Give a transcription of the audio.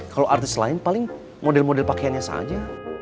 kalau artis lain paling model model pakaiannya saja